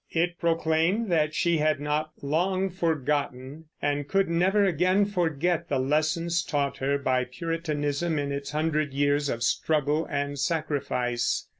It proclaimed that she had not long forgotten, and could never again forget, the lesson taught her by Puritanism in its hundred years of struggle and sacrifice.